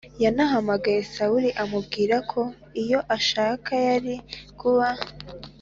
Yanahamagaye Sawuli amubwira ko iyo ashaka yari kuba